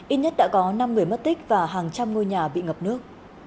ít nhất đã có năm người mất tích và hàng trăm ngôi nhà bị ngập nước